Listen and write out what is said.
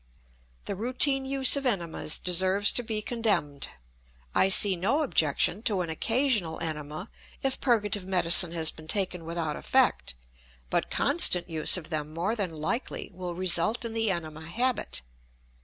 The routine use of enemas deserves to be condemned. I see no objection to an occasional enema if purgative medicine has been taken without effect, but constant use of them, more than likely, will result in the enema habit.